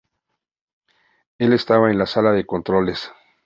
Él estaba en la sala de controles.